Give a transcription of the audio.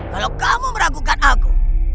kalau kamu meragukan aku